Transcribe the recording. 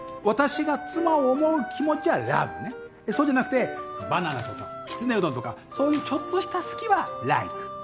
私が妻を思う気持ちはラブねでそうじゃなくてバナナとかきつねうどんとかそういうちょっとした好きはライク。